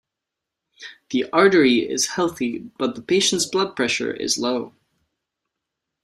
The artery is healthy but the patient's blood pressure is low.